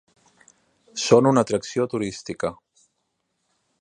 Són una atracció turística.